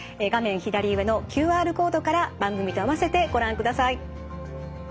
左上のＱＲコードから番組と併せてご覧ください。